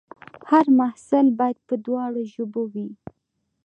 هر محصول باید په دواړو ژبو وي.